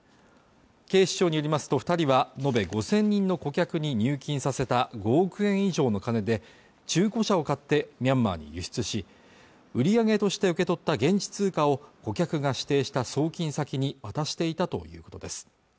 警視庁によりますと二人は延べ５０００人の顧客に入金させた５億円以上の金で中古車を買ってミャンマーに輸出し売り上げとして受け取った現地通貨を顧客が指定した送金先に渡していたということです